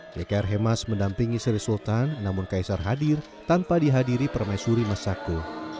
tkr hemas mendampingi sri sultan namun kaisar hadir tanpa dihadiri permaisuri masako